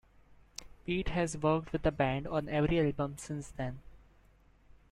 Piet has worked with the band on every album since then.